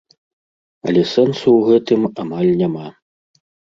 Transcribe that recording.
Але сэнсу ў гэтым амаль няма.